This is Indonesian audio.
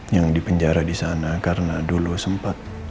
yang dipenjara di sana karena dulu sempat